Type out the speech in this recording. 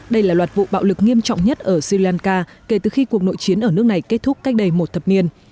đây là loạt vụ bạo lực nghiêm trọng nhất ở sri lanka kể từ khi cuộc nội chiến ở nước này kết thúc cách đây một thập niên